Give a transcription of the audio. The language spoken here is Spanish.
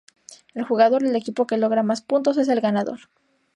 El jugador o el equipo que logra más puntos es el ganador.